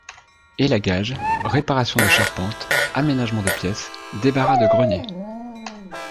élagage, réparation de charpente, aménagement de pièce, débarras de grenier.